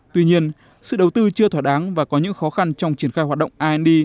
tuy nhiên sự đầu tư chưa thỏa đáng và có những khó khăn trong triển khai hoạt động ind